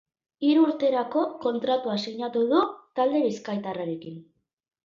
Hiru urterako kontratua sinatu du talde bizkaitarrarekin.